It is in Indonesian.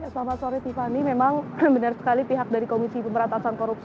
selamat sore tiffany memang benar sekali pihak dari komisi pemberantasan korupsi